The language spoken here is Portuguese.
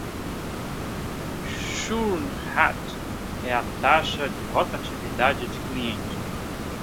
Churn Rate é a taxa de rotatividade de clientes.